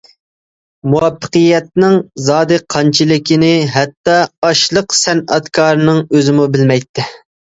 مۇۋەپپەقىيىتىنىڭ زادى قانچىلىكىنى ھەتتا ئاچلىق سەنئەتكارىنىڭ ئۆزىمۇ بىلمەيتتى.